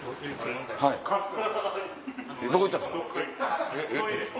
どこ行ったんすか？